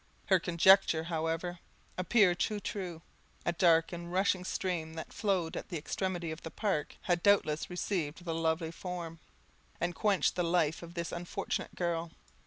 Her conjecture, however, appeared too true: a dark and rushing stream that flowed at the extremity of the park had doubtless received the lovely form, and quenched the life of this unfortunate girl.